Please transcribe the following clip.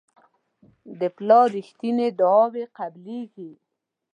د پلار رښتیني دعاوې قبلیږي.